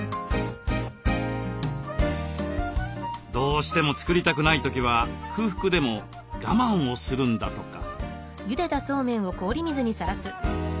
どうしても作りたくない時は空腹でも我慢をするんだとか。